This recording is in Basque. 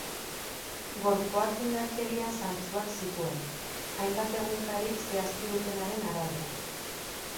Gorpuak indarkeria zantzuak zituen, hainbat egunkarik zehaztu dutenaren arabera.